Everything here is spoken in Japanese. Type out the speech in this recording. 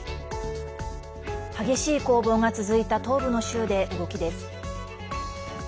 激しい攻防が続いた東部の州で動きです。